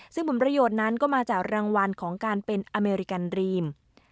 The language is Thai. ซึ่งผลประโยชน์นั้นก็มาจากรางวัลของการเป็นอเมริกันรีม